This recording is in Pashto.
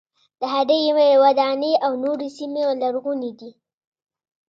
د هډې وداني او نورې سیمې لرغونې دي.